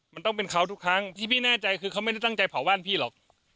มันต้องเป็นเขาทุกครั้งที่พี่แน่ใจคือเขาไม่ได้ตั้งใจเผาบ้านพี่หรอก